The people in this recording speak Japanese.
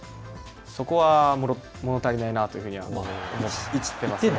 そこは物足りないなというふうには。